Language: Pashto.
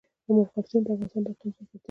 مورغاب سیند د افغانستان د اقلیم ځانګړتیا ده.